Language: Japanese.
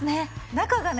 中がね